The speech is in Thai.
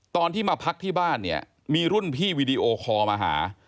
ตอนที่มาพักที่บ้านเนี่ยมีรุ่นพี่วีดีโอคอลมาหา